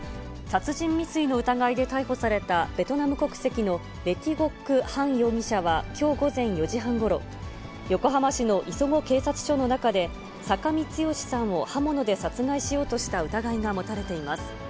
殺人未遂の疑いで逮捕されたベトナム国籍のレ・ティ・ゴック・ハン容疑者はきょう午前４時半ごろ、横浜市の磯子警察署の中で、酒見剛さんを刃物で殺害しようとした疑いが持たれています。